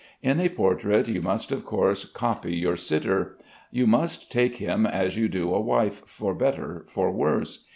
In a portrait you must of course copy your sitter. You must take him as you do a wife, for better, for worse.